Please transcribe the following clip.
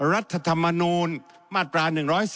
รัฐธรรมนูลมาตรา๑๔